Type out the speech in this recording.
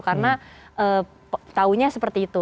karena tahunya seperti itu